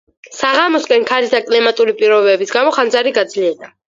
საღამოსკენ, ქარის და კლიმატური პირობების გამო, ხანძარი გაძლიერდა.